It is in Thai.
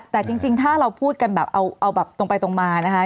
แต่จริงถ้าเราพูดกันแบบเอาแบบตรงไปตรงมานะคะ